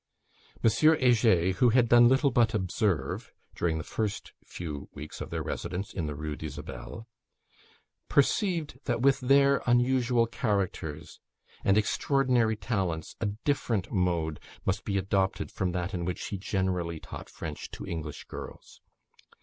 M. Heger, who had done little but observe, during the few first weeks of their residence in the Rue d'Isabelle, perceived that with their unusual characters, and extraordinary talents, a different mode must be adopted from that in which he generally taught French to English girls.